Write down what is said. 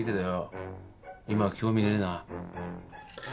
今は興味ねえな。